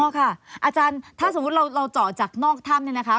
ค่ะอาจารย์ถ้าสมมุติเราเจาะจากนอกถ้ำเนี่ยนะคะ